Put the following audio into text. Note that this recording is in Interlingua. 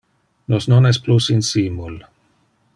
Nos non es plus insimul.